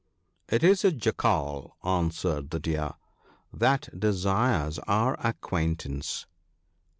" It is a Jackal," answered the Deer, "that desires our acquaintance."